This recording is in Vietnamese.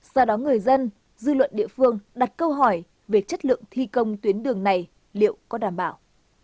do đó người dân dư luận địa phương đặt câu hỏi về chất lượng thi công tuyến đường này liệu có đảm bảo